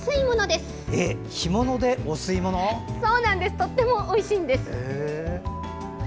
とてもおいしいんです。